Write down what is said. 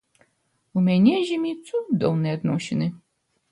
У мяне з імі цудоўныя адносіны.